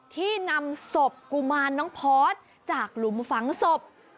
ที่นำศพกุมารน้องพอร์ตจากหลุมฝังศพ